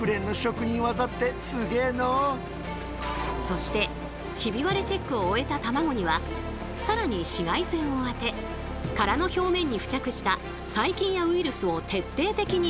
そしてヒビ割れチェックを終えたたまごには更に紫外線を当て殻の表面に付着した細菌やウイルスを徹底的に殺菌！